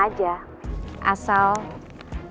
asal bayarnya selalu lancar kayak gini